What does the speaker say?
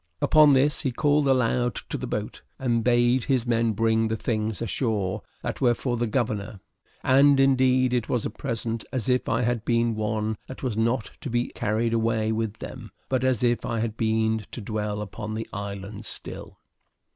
Upon this, he called aloud to the boat, and bade his men bring the things ashore that were for the governor; and, indeed, it was a present as if I had been one that was not to be carried away with them, but as if I had been to dwell upon the island still.